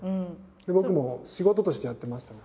僕も仕事としてやってましたね